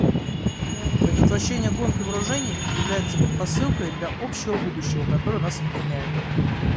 Предотвращение гонки вооружений является предпосылкой для общего будущего, которое нас объединяет.